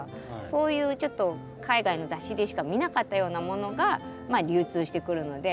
そういうちょっと海外の雑誌でしか見なかったようなものがまあ流通してくるので。